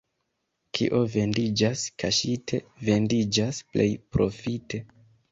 Kio vendiĝas kaŝite, vendiĝas plej profite.